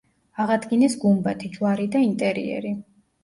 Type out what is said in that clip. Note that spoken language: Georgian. აღადგინეს გუმბათი, ჯვარი და ინტერიერი.